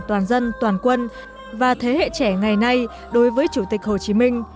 toàn dân toàn quân và thế hệ trẻ ngày nay đối với chủ tịch hồ chí minh